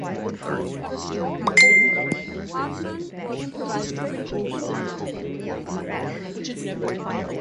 The texture is firm and creamy when shelled and cooked.